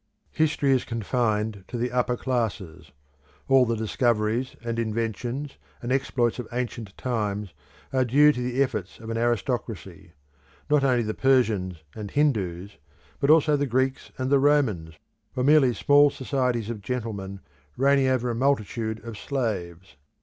History is confined to the upper classes. All the discoveries, and inventions, and exploits of ancient times are due to the efforts of an aristocracy; not only the Persians and Hindus, but also the Greeks and the Romans, were merely small societies of gentlemen reigning over a multitude of slaves.